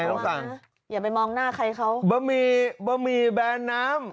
ต้องสั่งอย่าไปมองหน้าใครเขาบะหมี่บะหมี่แบนน้ำ